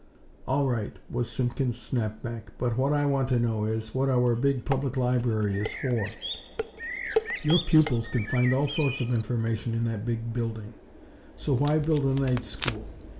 "All right!" was Simpkins' snap back; "but what I want to know is, what our big Public Library is for. Your 'pupils' can find all sorts of information in that big building. So why build a night school?